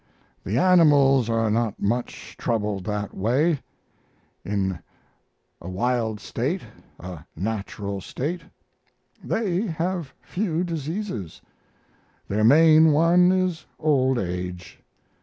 The animals are not much troubled that way. In a wild state, a natural state, they have few diseases; their main one is old age.